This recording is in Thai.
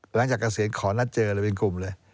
เกษียณขอนัดเจอเลยเป็นกลุ่มเลย